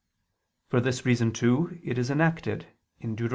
For this reason, too, it is enacted (Deut.